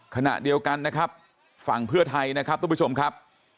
ขณะเดียวกันนะครับฝั่งเพื่อไทยนะครับทุกผู้ชมครับ